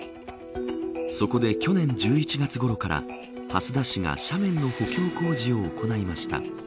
そこで去年１１月ごろから蓮田市が斜面の補強工事を行いました。